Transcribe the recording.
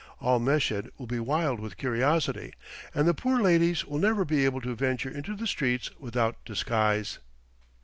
All Meshed will be wild with curiosity, and the poor ladies will never be able to venture into the streets without disguise.